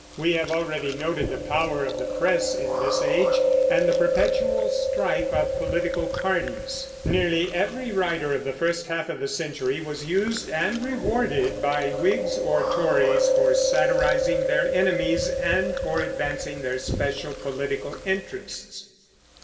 We have already noted the power of the press in this age, and the perpetual strife of political parties. Nearly every writer of the first half of the century was used and rewarded by Whigs or Tories for satirizing their enemies and for advancing their special political interests.